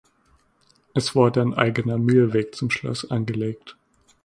Es wurde ein eigener Mühlweg zum Schloss angelegt.